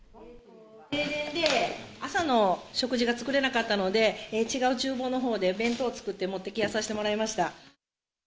停電で朝の食事が作れなかったので、違うちゅう房のほうで、弁当作って持ってきやさせてもらいました。